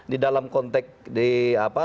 di dalam konteks di apa